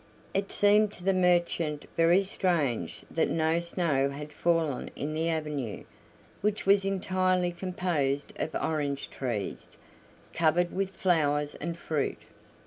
It seemed to the merchant very strange that no snow had fallen in the avenue, which was entirely composed of orange trees, covered with flowers and fruit.